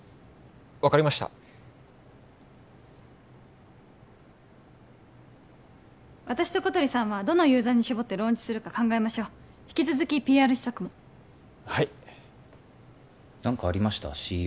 分かりました私と小鳥さんはどのユーザーに絞ってローンチするか考えましょう引き続きＰＲ施策もはい何かありました？